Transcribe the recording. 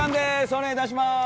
お願いいたします。